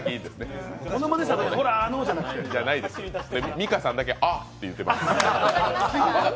美香さんだけ、「あっ」って言ってました。